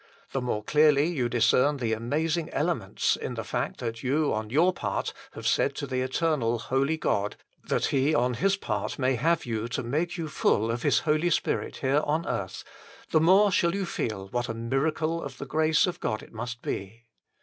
The more clearly you discern the amazing elements in the fact that you on your part have said to the Eternal Holy God that He on His part may have you to make you full of His Holy Spirit here on earth, the more shall you feel what a miracle of the grace of God it must be.